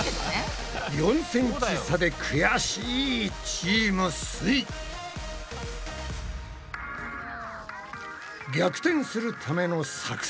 ４ｃｍ差でくやしいチームすイ。逆転するための作戦は？